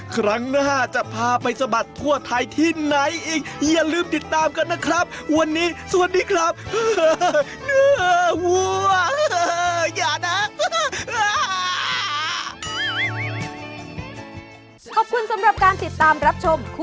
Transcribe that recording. ครั้งหน้าจะพาไปสะบัดทั่วไทยที่ไหนอีกอย่าลืมติดตามกันนะครับ